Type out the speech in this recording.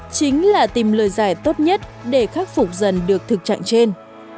chính là tìm lời giải tốt nhất để khắc phục dần được thực trạng trên